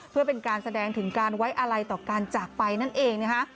เพื่อเป็นการแสดงถึงการไว้อะไรต่อการจากไปนั่นเองนะคะ